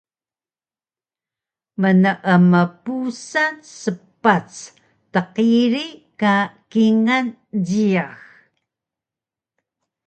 mnempusal spac tqiri ka kingal jiyax